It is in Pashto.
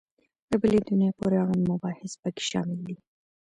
د بلي دنیا پورې اړوند مباحث په کې شامل دي.